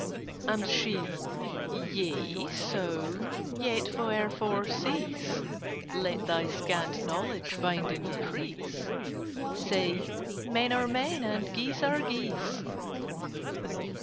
And she "Yea so? Yet wherefore cease? Let thy scant knowledge find increase. Say 'Men are Men, and Geese are Geese.